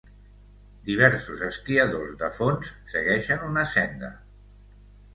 Diversos esquiadors de fons segueixen una senda.